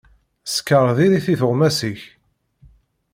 Sskeṛ diri-t i tuɣmas-ik.